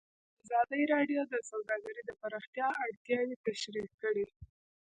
ازادي راډیو د سوداګري د پراختیا اړتیاوې تشریح کړي.